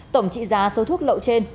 tổng trị giá số thuốc lậu trên